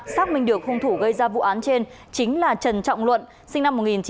xác minh được hung thủ gây ra vụ án trên chính là trần trọng luận sinh năm một nghìn chín trăm tám mươi